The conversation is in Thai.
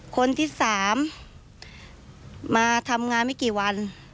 คนที่๓มาทำงานไม่กี่วัน